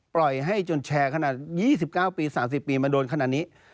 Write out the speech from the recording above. ปล่อยให้จนแชร์ขนาด๒๙ปี๓๐ปีมาโดนขนาดนี้